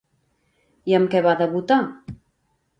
I amb què va debutar?